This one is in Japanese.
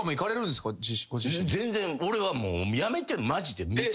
全然俺はもうやめてマジで。